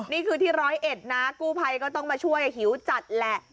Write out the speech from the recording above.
นี่คือที่ร้อยเอ็ดนะกู้ภัยก็ต้องมาช่วยหิวจัดแหละ